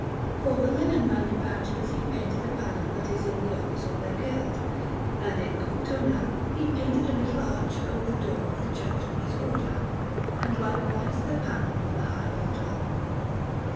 For the Linen manufacturers he painted a panel that is in the Office of their Guild; and in Cortona he painted a little arch over the door of the church of his Order, and likewise the panel of the high altar.